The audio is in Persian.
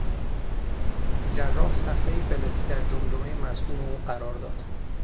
جراح صفحهای فلزی در جمجمهی مصدوم او قرار داد.